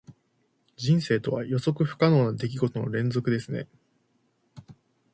人生とは、予測不可能な出来事の連続ですね。